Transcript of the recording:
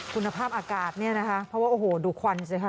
คุณภาพอากาศนี่นะคะเพราะว่าดูควันใช่ไหมครับ